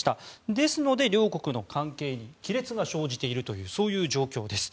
ですので、両国の関係に亀裂が生じているというそういう状況です。